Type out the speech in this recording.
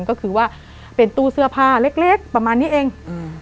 ก็คือว่าเป็นตู้เสื้อผ้าเล็กเล็กประมาณนี้เองอืม